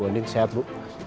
bu andin sehat bu